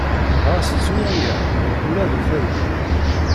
Ɣas ttu aya, ula deg targit!